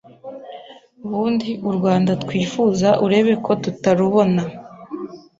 ubundi urwanda twifuza urebeko tutarubona